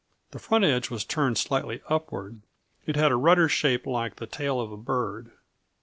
The front edge was turned slightly upward. It had a rudder shaped like the tail of a bird.